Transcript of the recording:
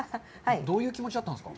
どういう気持ちだったんですか？